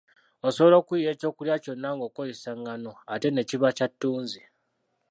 Osobola okuyiiya ekyokulya kyonna ng'okozesa ngano ate ne kiba kya ttunzi.